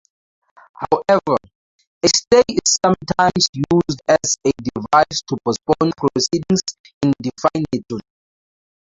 However, a stay is sometimes used as a device to postpone proceedings indefinitely.